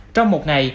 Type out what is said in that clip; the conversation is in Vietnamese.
trong một ngày